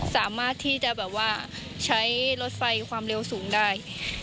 สามารถที่จะแบบว่าใช้รถไฟความเร็วสูงได้